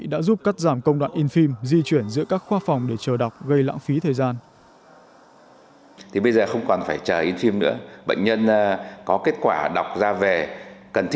đã giúp cắt giảm công đoạn in phim di chuyển giữa các khoa phòng để chờ đọc gây lãng phí thời gian